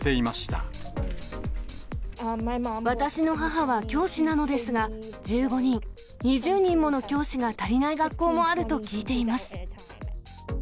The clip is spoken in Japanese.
私の母は教師なのですが、１５人、２０人もの教師が足りない学校もあると聞いています。